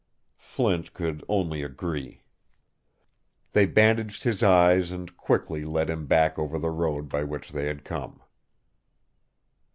Flint could only agree. They bandaged his eyes and quickly led him back over the road by which they had come.